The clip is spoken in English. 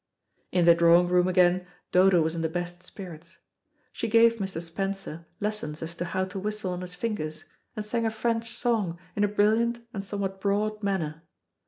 In the drawing room again Dodo was in the best spirits. She gave Mr. Spencer lessons as to how to whistle on his fingers, and sang a French song in a brilliant and somewhat broad manner.